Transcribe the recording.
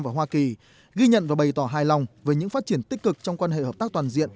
và hoa kỳ ghi nhận và bày tỏ hài lòng về những phát triển tích cực trong quan hệ hợp tác toàn diện